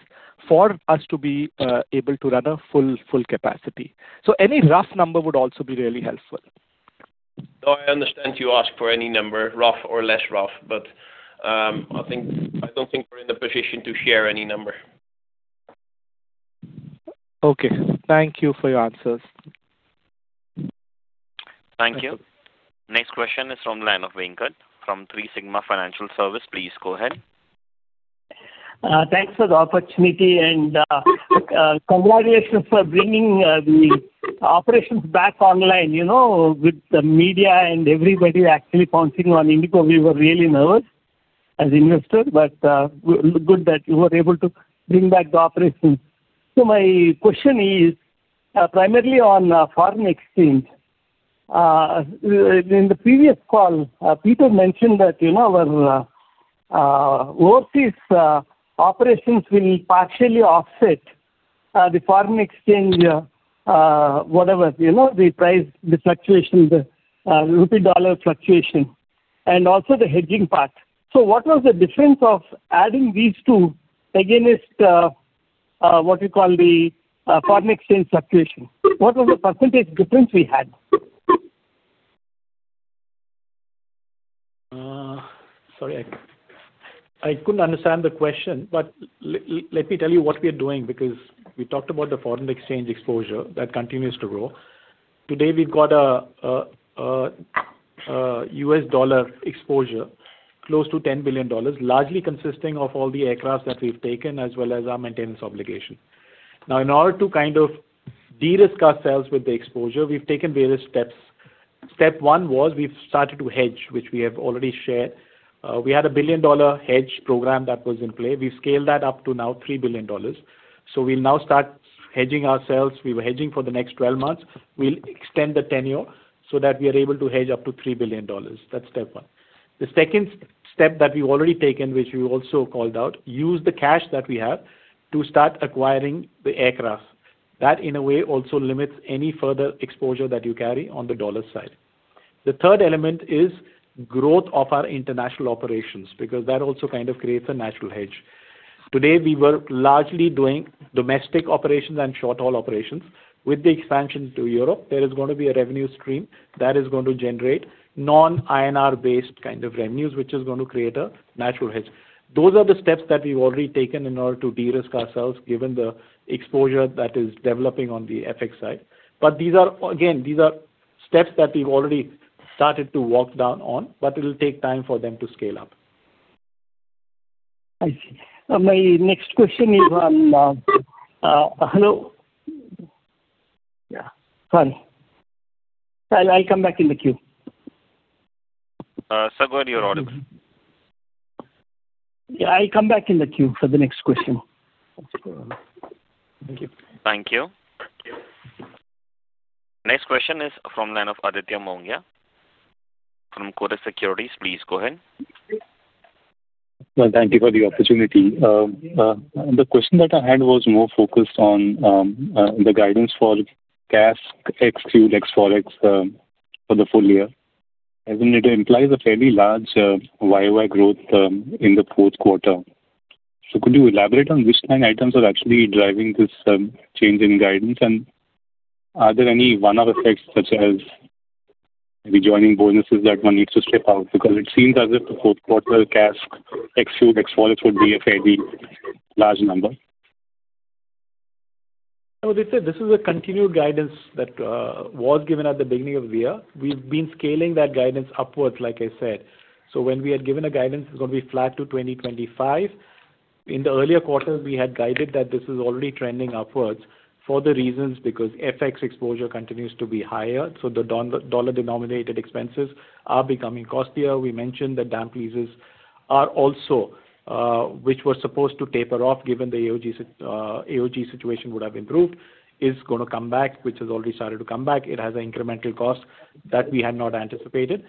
for us to be able to run a full capacity? So any rough number would also be really helpful. No, I understand you ask for any number, rough or less rough, but I don't think we're in the position to share any number. Okay. Thank you for your answers. Thank you. Next question is from Venkat from 3Sigma Financial Services. Please go ahead. Thanks for the opportunity and congratulations for bringing the operations back online with the media and everybody actually pouncing on IndiGo. We were really nervous as investors, but good that you were able to bring back the operations. So my question is primarily on foreign exchange. In the previous call, Pieter mentioned that our overseas operations will partially offset the foreign exchange whatever, the price, the fluctuation, the rupee-dollar fluctuation, and also the hedging part. So what was the difference of adding these two against what we call the foreign exchange fluctuation? What was the percentage difference we had? Sorry, I couldn't understand the question but let me tell you what we are doing because we talked about the foreign exchange exposure that continues to grow. Today, we've got a U.S. dollar exposure close to $10 billion, largely consisting of all the aircraft that we've taken as well as our maintenance obligation. Now, in order to kind of de-risk ourselves with the exposure, we've taken various steps. Step one was we've started to hedge, which we have already shared. We had a billion-dollar hedge program that was in play. We've scaled that up to now $3 billion. So we'll now start hedging ourselves. We were hedging for the next 12 months. We'll extend the tenure so that we are able to hedge up to $3 billion. That's step one. The second step that we've already taken, which we also called out, use the cash that we have to start acquiring the aircraft. That, in a way, also limits any further exposure that you carry on the dollar side. The third element is growth of our international operations because that also kind of creates a natural hedge. Today, we were largely doing domestic operations and short-haul operations. With the expansion to Europe, there is going to be a revenue stream that is going to generate non-INR-based kind of revenues, which is going to create a natural hedge. Those are the steps that we've already taken in order to de-risk ourselves given the exposure that is developing on the FX side. But again, these are steps that we've already started to walk down on, but it'll take time for them to scale up. I see. My next question is on hello? Yeah. Sorry. I'll come back in the queue. Sir, go ahead. You're audible. Yeah, I'll come back in the queue for the next question. Thank you. Thank you. Next question is from Aditya Mongia from Kotak Securities. Please go ahead. Thank you for the opportunity. The question that I had was more focused on the guidance for CASK ex-fuel ex-forex for the full year. It implies a fairly large year-over-year growth in the fourth quarter. Could you elaborate on which kind of items are actually driving this change in guidance, and are there any one-off effects such as rejoining bonuses that one needs to step out? Because it seems as if the fourth quarter CASK ex-fuel ex-forex would be a fairly large number. No, this is a continued guidance that was given at the beginning of the year. We've been scaling that guidance upwards, like I said. So when we had given a guidance, it's going to be flat to 2025. In the earlier quarters, we had guided that this is already trending upwards for the reasons because FX exposure continues to be higher. So the dollar-denominated expenses are becoming costlier. We mentioned that damp leases are also, which were supposed to taper off given the AOG situation would have improved, is going to come back, which has already started to come back. It has an incremental cost that we had not anticipated,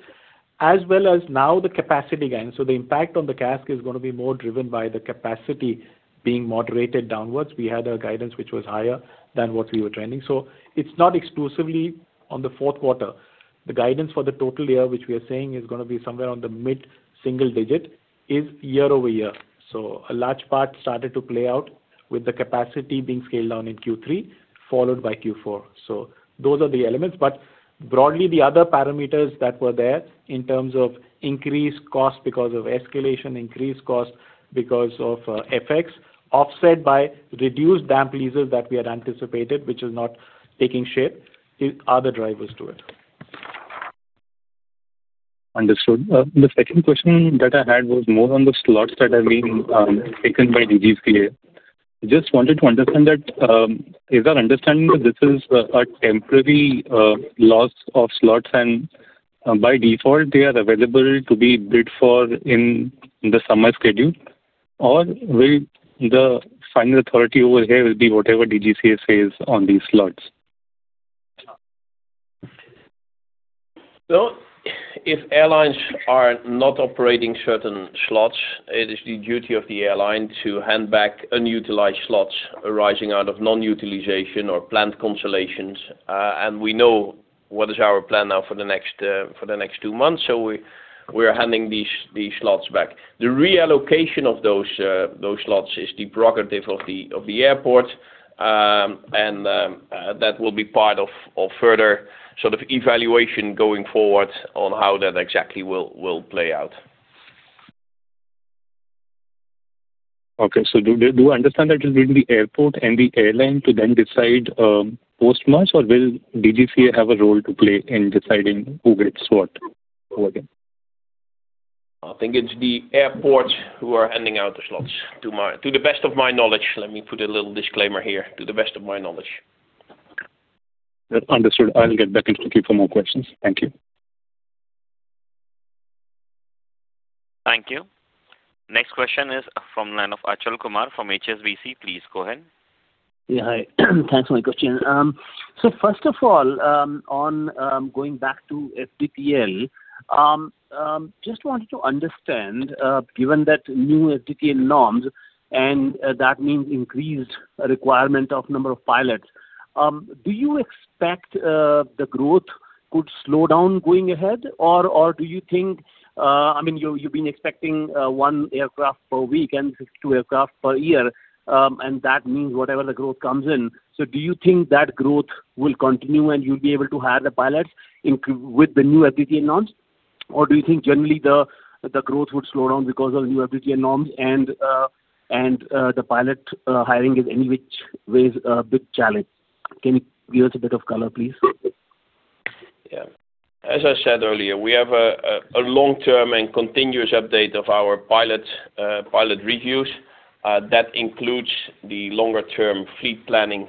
as well as now the capacity gain. So the impact on the CASK is going to be more driven by the capacity being moderated downwards. We had a guidance which was higher than what we were trending. So it's not exclusively on the fourth quarter. The guidance for the total year, which we are saying is going to be somewhere on the mid-single digit, is year-over-year. So a large part started to play out with the capacity being scaled down in Q3, followed by Q4. So those are the elements. But broadly, the other parameters that were there in terms of increased cost because of escalation, increased cost because of FX, offset by reduced damp leases that we had anticipated, which is not taking shape, are the drivers to it. Understood. The second question that I had was more on the slots that have been taken by DGCA. I just wanted to understand, is our understanding that this is a temporary loss of slots, and by default, they are available to be bid for in the summer schedule, or will the final authority over here be whatever DGCA says on these slots? If airlines are not operating certain slots, it is the duty of the airline to hand back unutilized slots arising out of non-utilization or planned cancellations. We know what is our plan now for the next two months, so we are handing these slots back. The reallocation of those slots is the prerogative of the airport, and that will be part of further sort of evaluation going forward on how that exactly will play out. Okay. So do I understand that it will be the airport and the airline to then decide post-March, or will DGCA have a role to play in deciding who gets what? I think it's the airport who are handing out the slots. To the best of my knowledge, let me put a little disclaimer here. To the best of my knowledge. Understood. I'll get back into the queue for more questions. Thank you. Thank you. Next question is from Achal Kumar from HSBC. Please go ahead. Yeah. Hi. Thanks for my question. So first of all, on going back to FDTL, just wanted to understand, given that new FDTL norms, and that means increased requirement of number of pilots, do you expect the growth could slow down going ahead, or do you think I mean, you've been expecting one aircraft per week and two aircraft per year, and that means whatever the growth comes in. So do you think that growth will continue and you'll be able to hire the pilots with the new FDTL norms, or do you think generally the growth would slow down because of the new FDTL norms and the pilot hiring is in which ways a big challenge? Can you give us a bit of color, please? Yeah. As I said earlier, we have a long-term and continuous update of our pilot reviews. That includes the longer-term fleet planning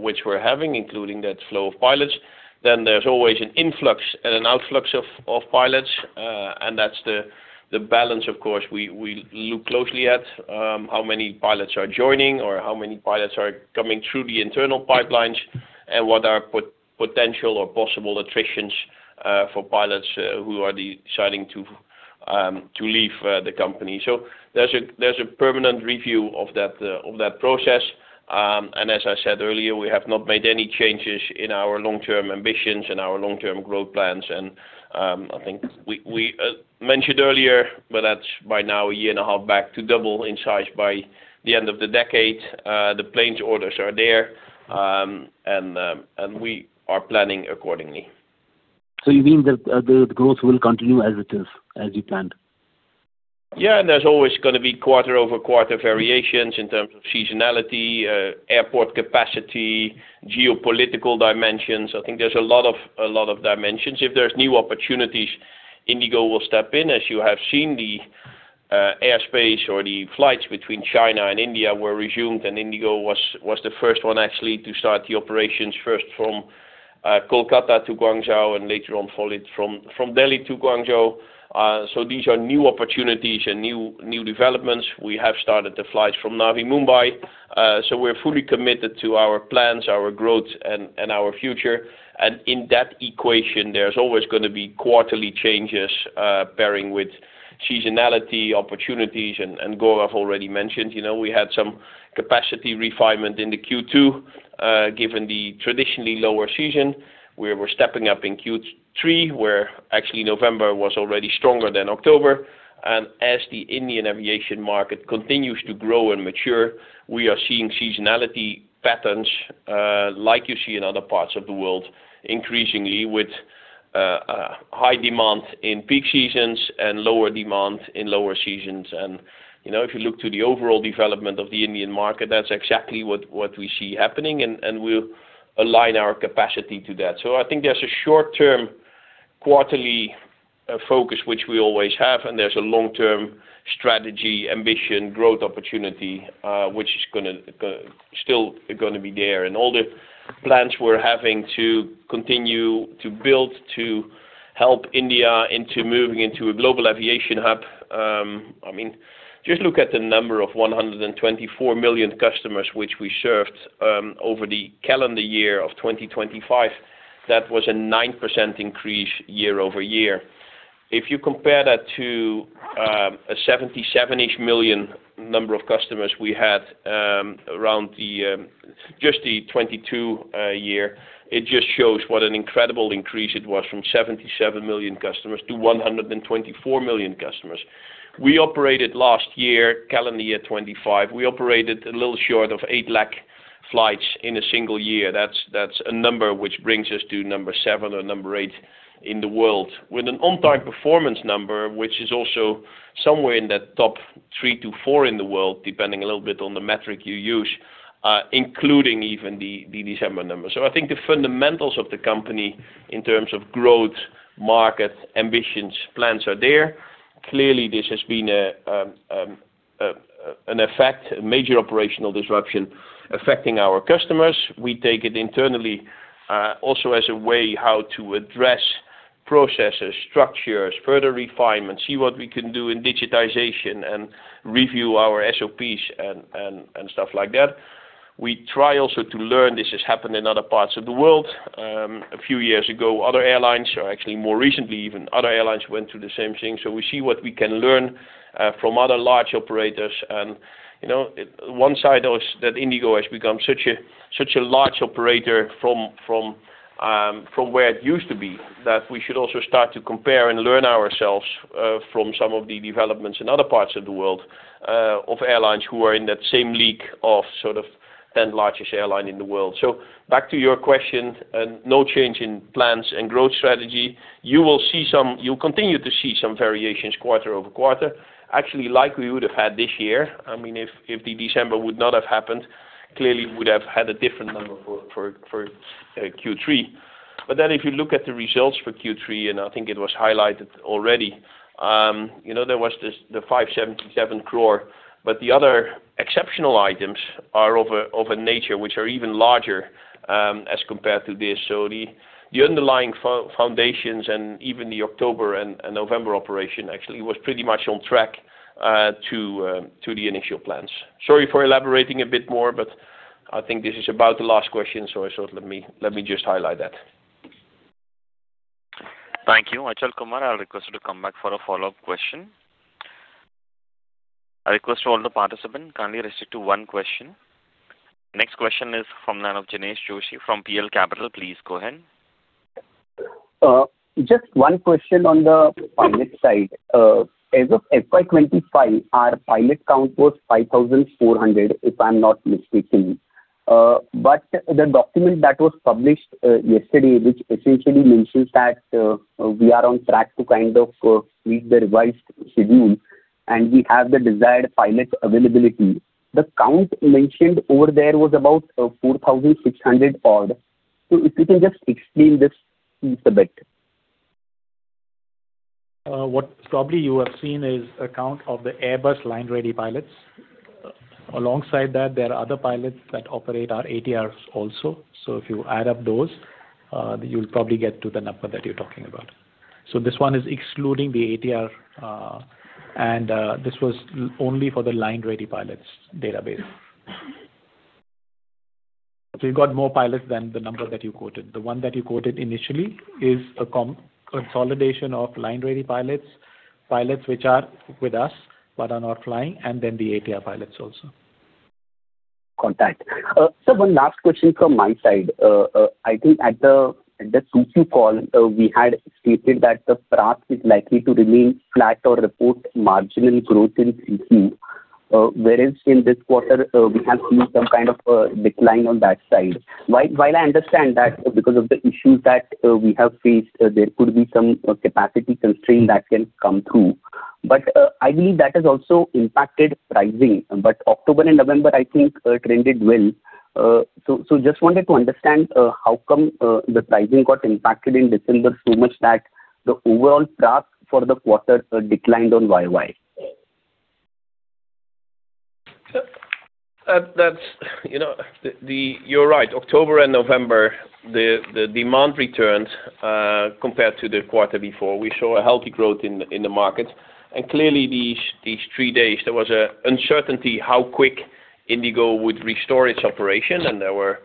which we're having, including that flow of pilots. Then there's always an influx and an outflux of pilots, and that's the balance, of course. We look closely at how many pilots are joining or how many pilots are coming through the internal pipelines and what are potential or possible attritions for pilots who are deciding to leave the company. So there's a permanent review of that process. And as I said earlier, we have not made any changes in our long-term ambitions and our long-term growth plans. And I think we mentioned earlier, but that's by now a year and a half back to double in size by the end of the decade. The planes orders are there, and we are planning accordingly. So you mean that the growth will continue as it is, as you planned? Yeah. And there's always going to be quarter-over-quarter variations in terms of seasonality, airport capacity, geopolitical dimensions. I think there's a lot of dimensions. If there's new opportunities, IndiGo will step in, as you have seen. The airspace or the flights between China and India were resumed, and IndiGo was the first one actually to start the operations first from Kolkata to Guangzhou and later on from Delhi to Guangzhou. So these are new opportunities and new developments. We have started the flights from Navi Mumbai. So we're fully committed to our plans, our growth, and our future. And in that equation, there's always going to be quarterly changes pairing with seasonality, opportunities, and Gaurav already mentioned. We had some capacity refinement in the Q2 given the traditionally lower season. We were stepping up in Q3 where actually November was already stronger than October. And as the Indian aviation market continues to grow and mature, we are seeing seasonality patterns like you see in other parts of the world increasingly with high demand in peak seasons and lower demand in lower seasons. And if you look to the overall development of the Indian market, that's exactly what we see happening, and we'll align our capacity to that. So I think there's a short-term quarterly focus, which we always have, and there's a long-term strategy, ambition, growth opportunity, which is still going to be there. And all the plans we're having to continue to build to help India into moving into a global aviation hub. I mean, just look at the number of 124 million customers which we served over the calendar year of 2025. That was a 9% increase year-over-year. If you compare that to a 77-ish million number of customers we had around just the 2022 year, it just shows what an incredible increase it was from 77 million customers to 124 million customers. We operated last year, calendar year 2025, we operated a little short of 8 lakh flights in a single year. That's a number which brings us to number seven or number eight in the world with an on-time performance number, which is also somewhere in that top three to four in the world, depending a little bit on the metric you use, including even the December number. So I think the fundamentals of the company in terms of growth, market, ambitions, plans are there. Clearly, this has been an effect, a major operational disruption affecting our customers. We take it internally also as a way how to address processes, structures, further refinement, see what we can do in digitization and review our SOPs and stuff like that. We try also to learn. This has happened in other parts of the world. A few years ago, other airlines, or actually more recently even, other airlines went through the same thing. So we see what we can learn from other large operators. And one side is that IndiGo has become such a large operator from where it used to be that we should also start to compare and learn ourselves from some of the developments in other parts of the world of airlines who are in that same league of sort of 10 largest airlines in the world. So back to your question, no change in plans and growth strategy. You will see some. You'll continue to see some variations quarter-over-quarter, actually like we would have had this year. I mean, if the December would not have happened, clearly we would have had a different number for Q3. But then if you look at the results for Q3, and I think it was highlighted already, there was the 577 crore, but the other exceptional items are of a nature which are even larger as compared to this. So the underlying foundations and even the October and November operation actually was pretty much on track to the initial plans. Sorry for elaborating a bit more, but I think this is about the last question, so I thought let me just highlight that. Thank you. Achal Kumar, I'll request you to come back for a follow-up question. I request all the participants kindly restrict to one question. Next question is from Jinesh Joshi from PL Capital. Please go ahead. Just one question on the pilot side. As of FY 2025, our pilot count was 5,400, if I'm not mistaken. But the document that was published yesterday, which essentially mentions that we are on track to kind of meet the revised schedule and we have the desired pilot availability, the count mentioned over there was about 4,600 odd. So if you can just explain this a bit? What, probably, you have seen is a count of the Airbus line-ready pilots. Alongside that, there are other pilots that operate our ATRs also. So if you add up those, you'll probably get to the number that you're talking about. So this one is excluding the ATR, and this was only for the line-ready pilots database. So you've got more pilots than the number that you quoted. The one that you quoted initially is a consolidation of line-ready pilots, pilots which are with us but are not flying, and then the ATR pilots also. Contact. So one last question from my side. I think at the yield call, we had stated that the yield is likely to remain flat or report marginal growth in yield, whereas in this quarter, we have seen some kind of decline on that side. While I understand that because of the issues that we have faced, there could be some capacity constraint that can come through. But I believe that has also impacted pricing. But October and November, I think, trended well. So just wanted to understand how come the pricing got impacted in December so much that the overall yield for the quarter declined on YoY. That's right. You're right. October and November, the demand returned compared to the quarter before. We saw a healthy growth in the market, and clearly, these three days, there was an uncertainty how quick IndiGo would restore its operation, and there were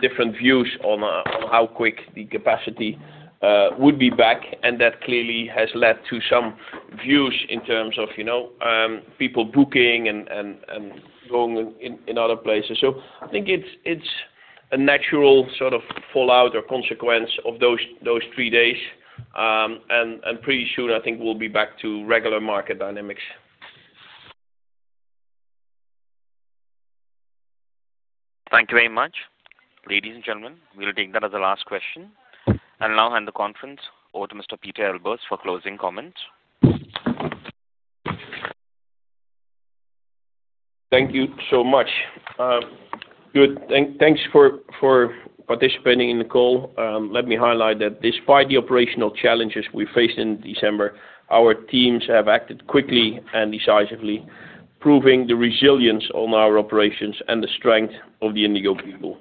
different views on how quick the capacity would be back. And that clearly has led to some views in terms of people booking and going in other places, so I think it's a natural sort of fallout or consequence of those three days, and pretty soon, I think we'll be back to regular market dynamics. Thank you very much. Ladies and gentlemen, we'll take that as a last question, and now, I'll hand the conference over to Mr. Pieter Elbers for closing comments. Thank you so much. Thanks for participating in the call. Let me highlight that despite the operational challenges we faced in December, our teams have acted quickly and decisively, proving the resilience on our operations and the strength of the IndiGo people.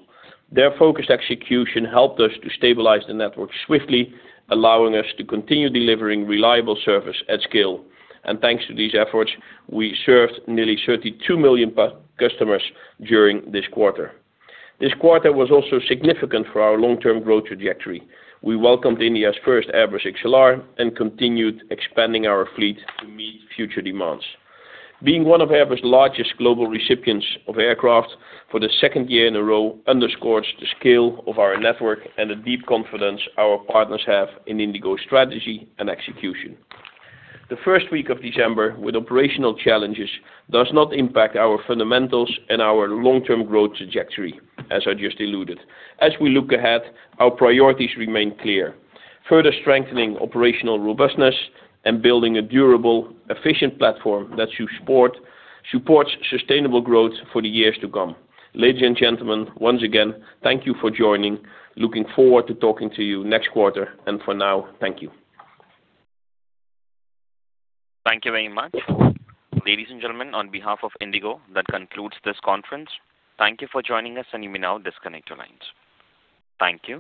Their focused execution helped us to stabilize the network swiftly, allowing us to continue delivering reliable service at scale, and thanks to these efforts, we served nearly 32 million customers during this quarter. This quarter was also significant for our long-term growth trajectory. We welcomed India's first-ever XLR and continued expanding our fleet to meet future demands. Being one of Airbus' largest global recipients of aircraft for the second year in a row underscores the scale of our network and the deep confidence our partners have in IndiGo's strategy and execution. The first week of December, with operational challenges, does not impact our fundamentals and our long-term growth trajectory, as I just alluded. As we look ahead, our priorities remain clear: further strengthening operational robustness and building a durable, efficient platform that supports sustainable growth for the years to come. Ladies and gentlemen, once again, thank you for joining. Looking forward to talking to you next quarter, and for now, thank you. Thank you very much. Ladies and gentlemen, on behalf of IndiGo, that concludes this conference. Thank you for joining us, and you may now disconnect your lines. Thank you.